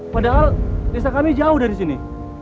padahal desa kami jauh dari sini